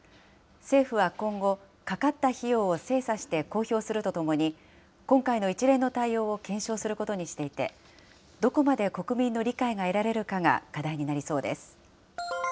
政府は今後、かかった費用を精査して公表するとともに、今回の一連の対応を検証することにしていて、どこまで国民の理解が得られるかが課題になりそうです。